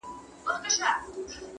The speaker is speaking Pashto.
خو نه څانګه په دنیا کي میندل کېږي.!